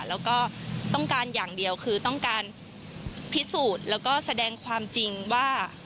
แล้วก็ต้องการอย่างเดียวคือต้องการพิสูจน์แล้วก็แสดงความจริงว่า